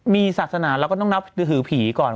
มีศาสนาเราก็ต้องนับถือผีก่อน